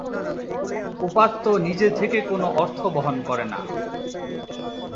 উপাত্ত নিজে থেকে কোনো অর্থ বহন করে না।